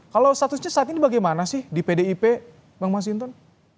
kalau statusnya saat ini bagaimana sih di pdip bang masinton